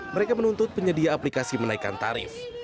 mereka menuntut penyedia aplikasi menaikkan tarif